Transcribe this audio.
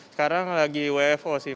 sekarang lagi wfo sih